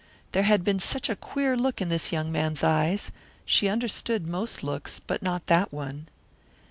There had been such a queer look in this young man's eyes; she understood most looks, but not that one.